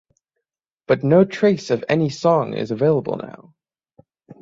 But no trace of any song is available now.